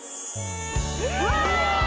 うわ！